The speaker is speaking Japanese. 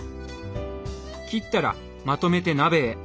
切ったらまとめて鍋へ。